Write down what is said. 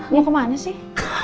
mau ke mana sih